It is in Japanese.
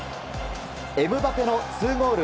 エムバペの２ゴール